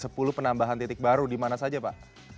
sepuluh penambahan titik baru di mana saja pak